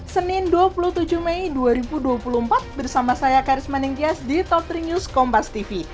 senin dua puluh tujuh mei dua ribu dua puluh empat bersama saya karisma ningtyas di top tiga news kompas tv